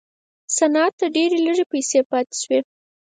صنعت ته ډېرې لږې پیسې پاتې شوې.